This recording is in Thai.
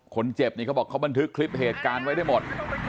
คนเจ็บนี่เขาบอกเขาบันทึกคลิปเหตุการณ์ไว้ได้หมด